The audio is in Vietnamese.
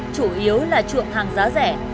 chủ yếu là trượm hàng giá rẻ